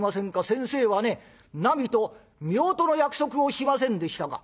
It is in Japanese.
先生はねなみとめおとの約束をしませんでしたか？」。